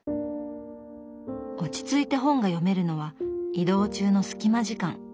落ち着いて本が読めるのは移動中のスキマ時間。